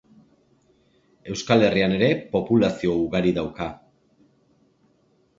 Euskal Herrian ere populazio ugari dauka.